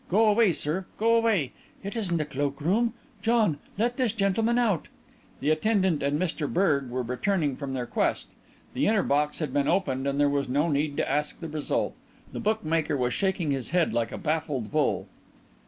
"Go away, sir, go away! It isn't a cloakroom. John, let this gentleman out." The attendant and Mr Berge were returning from their quest. The inner box had been opened and there was no need to ask the result. The bookmaker was shaking his head like a baffled bull.